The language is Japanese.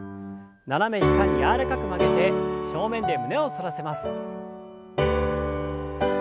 斜め下に柔らかく曲げて正面で胸を反らせます。